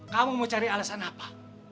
kamu mau cari alasan apa